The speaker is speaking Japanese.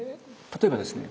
例えばですね